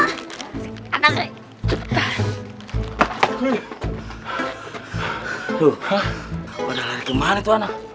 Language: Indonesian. tuh padahal ada kemana tuh anak